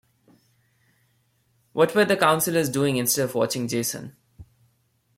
What were the counselors doing instead of watching Jason?